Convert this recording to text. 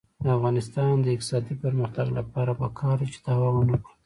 د افغانستان د اقتصادي پرمختګ لپاره پکار ده چې دعوه ونکړو.